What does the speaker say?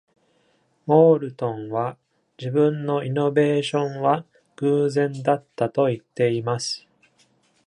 モウルトンは自分のイノベーションは偶然だったと言っています。